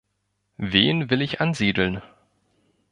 Wen will ich ansiedeln?